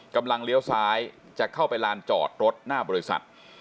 เลี้ยวซ้ายจะเข้าไปลานจอดรถหน้าบริษัท